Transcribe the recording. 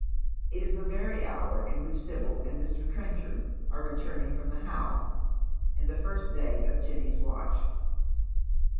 It is the very hour in which Sibyl and Mr. Trenchard are returning fi"om the How, and the first day of Jenny's watch.